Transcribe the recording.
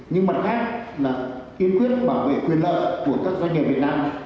nhưng mặt khác là kiên quyết bảo vệ quyền lợi của các doanh nghiệp việt nam